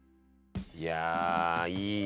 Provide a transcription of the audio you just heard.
いやあいいね。